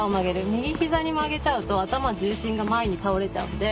右膝に曲げちゃうと頭重心が前に倒れちゃうんで。